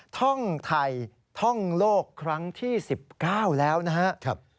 ท่องไทยท่องโลกครั้งที่๑๙แล้วนะครับ